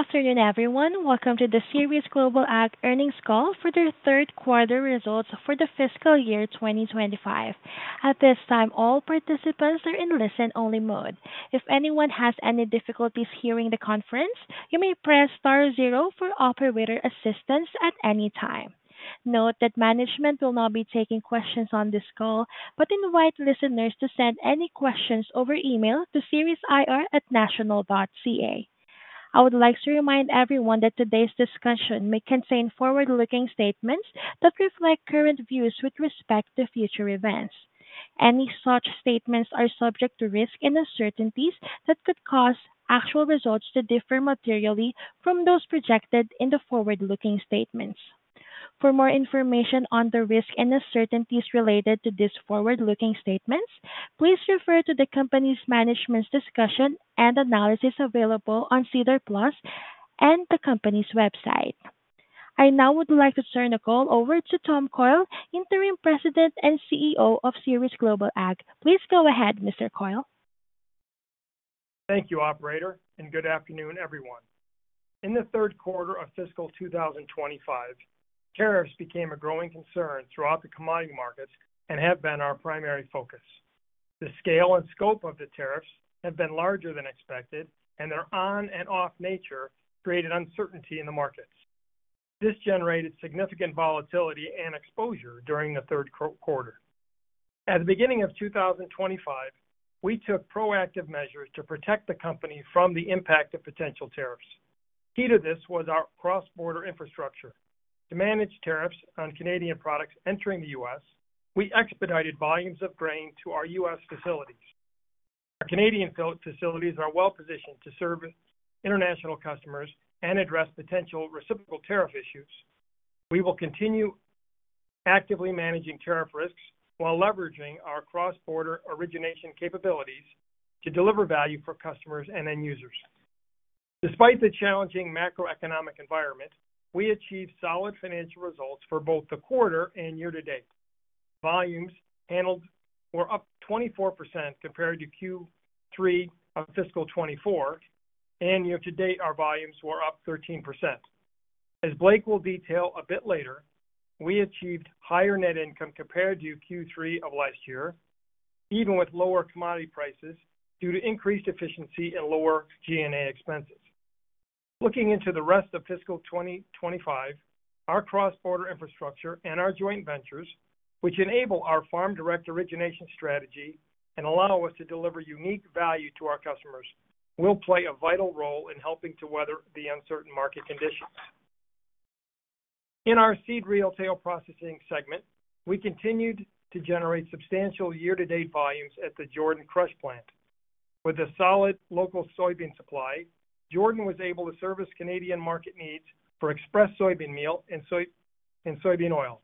Good afternoon, everyone. Welcome to the Ceres Global Ag Earnings call for their third quarter results for the fiscal year 2025. At this time, all participants are in listen-only mode. If anyone has any difficulties hearing the conference, you may press star zero for operator assistance at any time. Note that management will not be taking questions on this call, but invite listeners to send any questions over email to ceresir@national.ca. I would like to remind everyone that today's discussion may contain forward-looking statements that reflect current views with respect to future events. Any such statements are subject to risk and uncertainties that could cause actual results to differ materially from those projected in the forward-looking statements. For more information on the risk and uncertainties related to these forward-looking statements, please refer to the company's management's discussion and analysis available on SEDAR+ and the company's website. I now would like to turn the call over to Tom Coyle, Interim President and CEO of Ceres Global Ag. Please go ahead, Mr. Coyle. Thank you, Operator, and good afternoon, everyone. In the third quarter of fiscal 2025, tariffs became a growing concern throughout the commodity markets and have been our primary focus. The scale and scope of the tariffs have been larger than expected, and their on- and off-nature created uncertainty in the markets. This generated significant volatility and exposure during the third quarter. At the beginning of 2025, we took proactive measures to protect the company from the impact of potential tariffs. Key to this was our cross-border infrastructure. To manage tariffs on Canadian products entering the U.S., we expedited volumes of grain to our U.S. facilities. Our Canadian facilities are well-positioned to serve international customers and address potential reciprocal tariff issues. We will continue actively managing tariff risks while leveraging our cross-border origination capabilities to deliver value for customers and end users. Despite the challenging macroeconomic environment, we achieved solid financial results for both the quarter and year-to-date. Volumes handled were up 24% compared to Q3 of fiscal 2024, and year-to-date, our volumes were up 13%. As Blake will detail a bit later, we achieved higher net income compared to Q3 of last year, even with lower commodity prices due to increased efficiency and lower G&A expenses. Looking into the rest of fiscal 2025, our cross-border infrastructure and our joint ventures, which enable our farm-direct origination strategy and allow us to deliver unique value to our customers, will play a vital role in helping to weather the uncertain market conditions. In our seed retail processing segment, we continued to generate substantial year-to-date volumes at the Jordan Crush plant. With a solid local soybean supply, Jordan was able to service Canadian market needs for express soybean meal and soybean oil.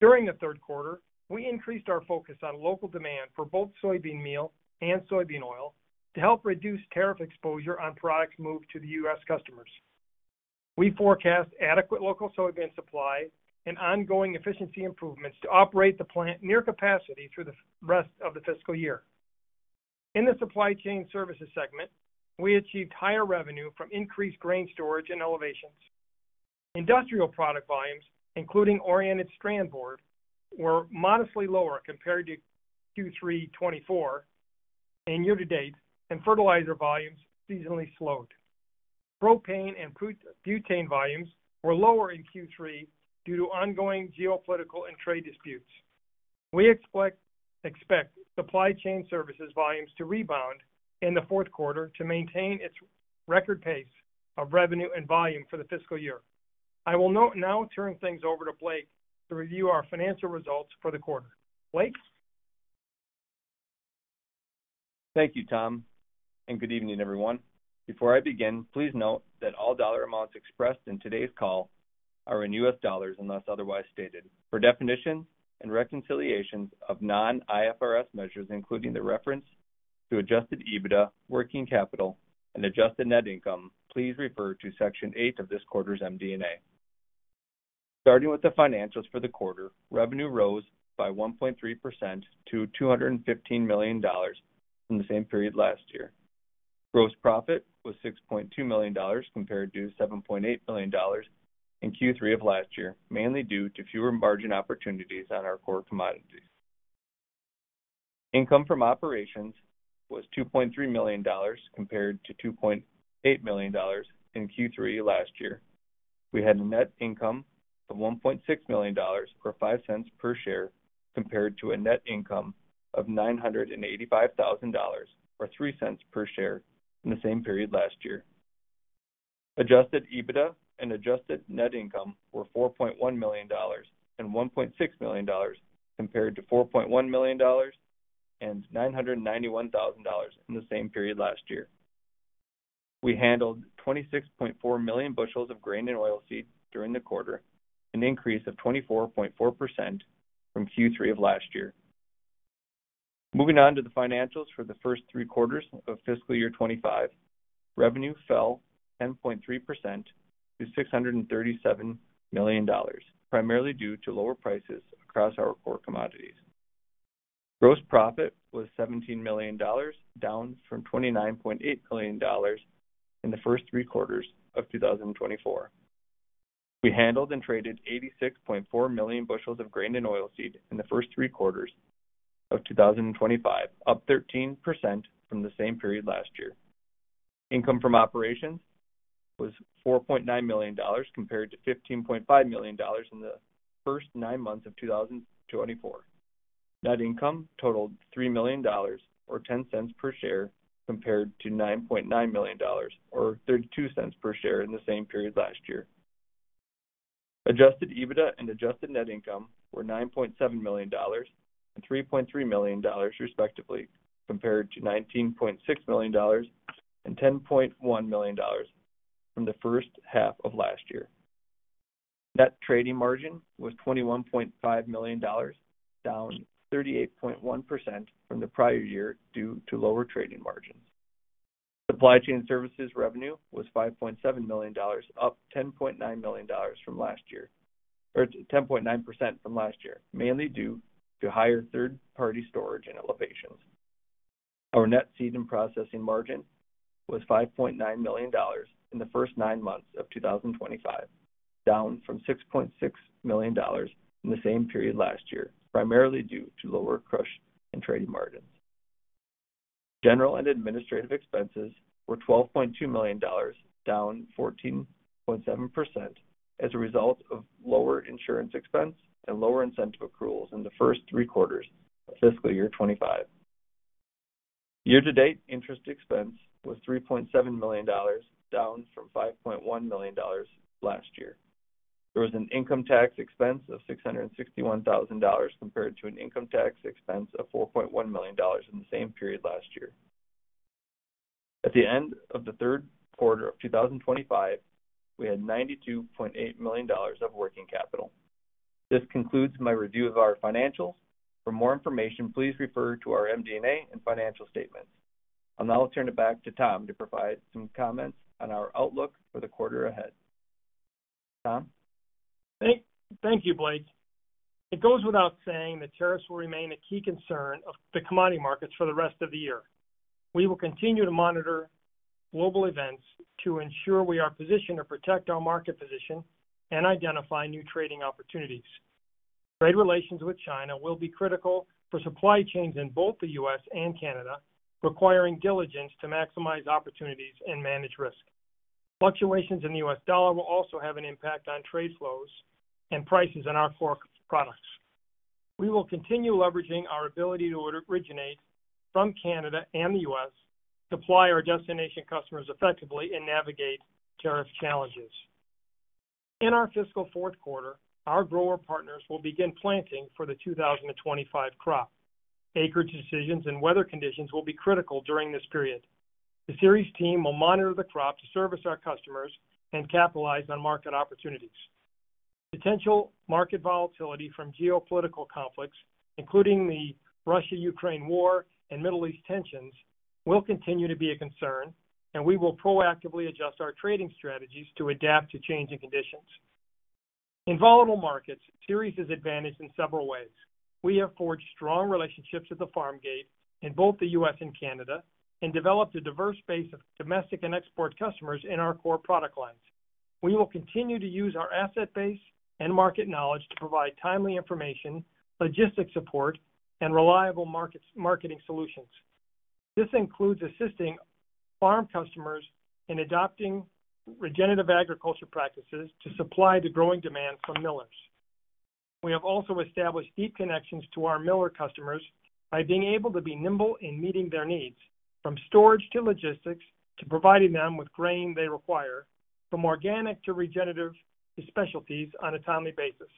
During the third quarter, we increased our focus on local demand for both soybean meal and soybean oil to help reduce tariff exposure on products moved to U.S. customers. We forecast adequate local soybean supply and ongoing efficiency improvements to operate the plant near capacity through the rest of the fiscal year. In the supply chain services segment, we achieved higher revenue from increased grain storage and elevations. Industrial product volumes, including oriented strand board, were modestly lower compared to Q3 2024 and year-to-date, and fertilizer volumes seasonally slowed. Propane and butane volumes were lower in Q3 due to ongoing geopolitical and trade disputes. We expect supply chain services volumes to rebound in the fourth quarter to maintain its record pace of revenue and volume for the fiscal year. I will now turn things over to Blake to review our financial results for the quarter. Blake? Thank you, Tom, and good evening, everyone. Before I begin, please note that all dollar amounts expressed in today's call are in U.S. dollars unless otherwise stated. For definitions and reconciliations of non-IFRS measures, including the reference to adjusted EBITDA, working capital, and adjusted net income, please refer to Section 8 of this quarter's MD&A. Starting with the financials for the quarter, revenue rose by 1.3% to $215 million from the same period last year. Gross profit was $6.2 million compared to $7.8 million in Q3 of last year, mainly due to fewer margin opportunities on our core commodities. Income from operations was $2.3 million compared to $2.8 million in Q3 last year. We had a net income of $1.6 million or $0.05 per share compared to a net income of $985,000 or $0.03 per share in the same period last year. Adjusted EBITDA and adjusted net income were $4.1 million and $1.6 million compared to $4.1 million and $991,000 in the same period last year. We handled 26.4 million bushels of grain and oilseeds during the quarter, an increase of 24.4% from Q3 of last year. Moving on to the financials for the first three quarters of fiscal year 2025, revenue fell 10.3% to $637 million, primarily due to lower prices across our core commodities. Gross profit was $17 million, down from $29.8 million in the first three quarters of 2024. We handled and traded 86.4 million bushels of grain and oilseed in the first three quarters of 2025, up 13% from the same period last year. Income from operations was $4.9 million compared to $15.5 million in the first nine months of 2024. Net income totaled $3 million or $0.10 per share compared to $9.9 million or $0.32 per share in the same period last year. Adjusted EBITDA and adjusted net income were $9.7 million and $3.3 million, respectively, compared to $19.6 million and $10.1 million from the first half of last year. Net trading margin was $21.5 million, down 38.1% from the prior year due to lower trading margins. Supply chain services revenue was $5.7 million, up $10.9 million from last year, or 10.9% from last year, mainly due to higher third-party storage and elevations. Our net seed and processing margin was $5.9 million in the first nine months of 2025, down from $6.6 million in the same period last year, primarily due to lower crush and trading margins. General and administrative expenses were $12.2 million, down 14.7%, as a result of lower insurance expense and lower incentive accruals in the first three quarters of fiscal year 2025. Year-to-date interest expense was $3.7 million, down from $5.1 million last year. There was an income tax expense of $661,000 compared to an income tax expense of $4.1 million in the same period last year. At the end of the third quarter of 2025, we had $92.8 million of working capital. This concludes my review of our financials. For more information, please refer to our MD&A and financial statements. I'll now turn it back to Tom to provide some comments on our outlook for the quarter ahead. Tom? Thank you, Blake. It goes without saying that tariffs will remain a key concern of the commodity markets for the rest of the year. We will continue to monitor global events to ensure we are positioned to protect our market position and identify new trading opportunities. Trade relations with China will be critical for supply chains in both the U.S. and Canada, requiring diligence to maximize opportunities and manage risk. Fluctuations in the U.S. dollar will also have an impact on trade flows and prices on our core products. We will continue leveraging our ability to originate from Canada and the U.S. to supply our destination customers effectively and navigate tariff challenges. In our fiscal fourth quarter, our grower partners will begin planting for the 2025 crop. Acreage decisions and weather conditions will be critical during this period. The Ceres team will monitor the crop to service our customers and capitalize on market opportunities. Potential market volatility from geopolitical conflicts, including the Russia-Ukraine war and Middle East tensions, will continue to be a concern, and we will proactively adjust our trading strategies to adapt to changing conditions. In volatile markets, Ceres is advantaged in several ways. We have forged strong relationships at the farm gate in both the U.S. and Canada and developed a diverse base of domestic and export customers in our core product lines. We will continue to use our asset base and market knowledge to provide timely information, logistics support, and reliable marketing solutions. This includes assisting farm customers in adopting regenerative agriculture practices to supply the growing demand from millers. We have also established deep connections to our miller customers by being able to be nimble in meeting their needs, from storage to logistics to providing them with grain they require, from organic to regenerative to specialties on a timely basis.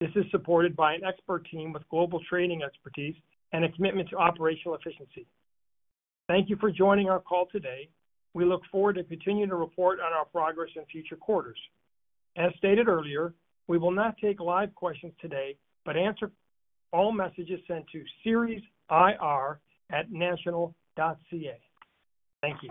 This is supported by an expert team with global trading expertise and a commitment to operational efficiency. Thank you for joining our call today. We look forward to continuing to report on our progress in future quarters. As stated earlier, we will not take live questions today, but answer all messages sent to ceresir@national.ca. Thank you.